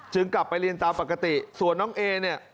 จึงกลับไปเรียนตามปกติส่วนน้องเอ